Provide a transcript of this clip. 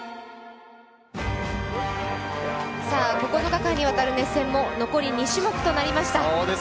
９日間にわたる熱戦も残り２種目となりました。